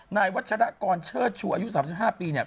วัชรกรเชิดชูอายุ๓๕ปีเนี่ย